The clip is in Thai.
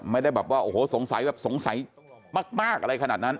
ไม่ได้แบบว่าโอ้โหสงสัยแบบสงสัยมากอะไรขนาดนั้น